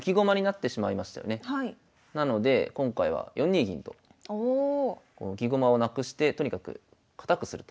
なので今回は４二銀と浮き駒をなくしてとにかく堅くするという堅いですね。